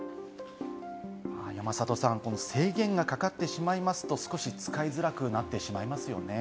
山里さん、制限がかかってしまいますと、少し使いづらくなってしまいますよね。